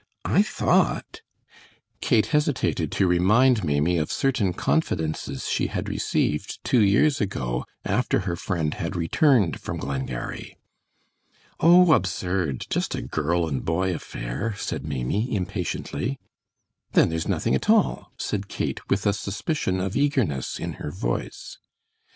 I thought " Kate hesitated to remind Maimie of certain confidences she had received two years ago after her friend had returned from Glengarry. "Oh, absurd just a girl and boy affair," said Maimie, impatiently. "Then there's nothing at all," said Kate, with a suspicion of eagerness in her voice.